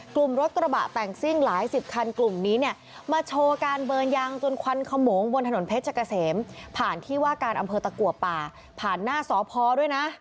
กลุ่มรถกระบะแต่งซิ่งหลายสิบคันกลุ่มนี้เนี่ยมาโชว์การเบิร์นยางจนควันขโมงบนถนนเพชรเกษมผ่านที่ว่าการอำเภอตะกัวป่าผ่านหน้าสพด้วยนะ